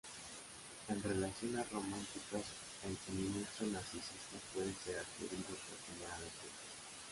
En relaciones románticas, el suministro narcisista puede ser adquirido por tener aventuras.